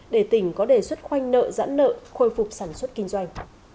để tỉnh có đề xuất khoanh nợ giãn nợ khôi phục sản xuất kinh doanh